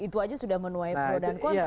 itu aja sudah menuai pro dan kontra